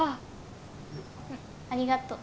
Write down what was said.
ありがとう。